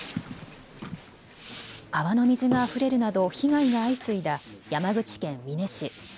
川の水があふれるなど被害が相次いだ山口県美祢市。